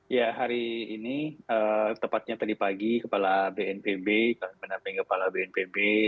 ya hari ini tepatnya tadi pagi kepala bnpb kami menamping kepala bnpb